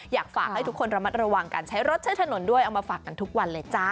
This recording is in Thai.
อยากฝากให้ทุกคนระมัดระวังการใช้รถใช้ถนนด้วยเอามาฝากกันทุกวันเลยจ้า